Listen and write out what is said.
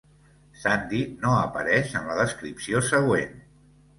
Sandhi no apareix en la descripció següent.